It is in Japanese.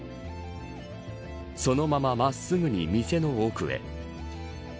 そのまま真っすぐに店の奥へ。